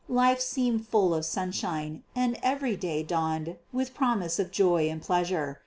Life seemed full of sunshine, and every day dawned with promise of joy and pleasure.